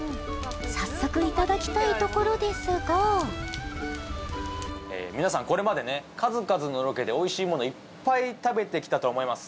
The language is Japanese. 早速いただきたいところですが皆さんこれまでね数々のロケでおいしいものいっぱい食べてきたと思います